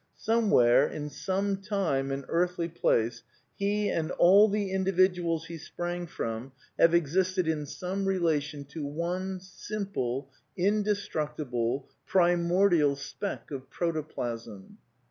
Somewhere, in some time and earthly place, he and all the individuals he sprang from have ex isted in some relation to one simple, indestructible, pri mordial speck of protoplasm.